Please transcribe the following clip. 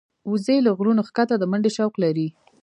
وزې له غرونو ښکته د منډې شوق لري